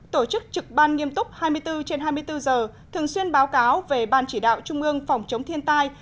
tổ chức trực ban nghiêm túc hai mươi bốn trên hai mươi bốn giờ thường xuyên báo cáo về ban chỉ đạo trung ương phòng chống thiên tai